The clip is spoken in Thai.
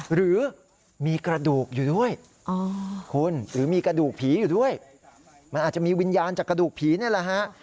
หรือมีกระดูกอยู่ด้วยคุณหรือมีกระดูกผีอยู่ด้วยมันอาจจะมีวิญญาณจากกระดูกผีนี่แหละฮะ